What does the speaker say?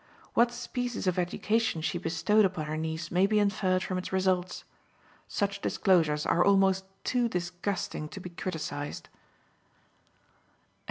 What species of education she bestowed upon her niece may be inferred from its results. Such disclosures are almost too disgusting to be criticised.